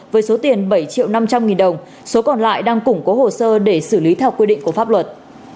với số tiền bảy triệu năm trăm linh nghìn đồng số còn lại đang củng cố hồ sơ để xử lý theo quy định của pháp luật